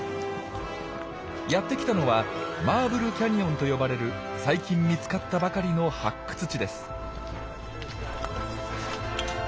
やって来たのはマーブル・キャニオンと呼ばれる最近見つかったばかりの発掘地です。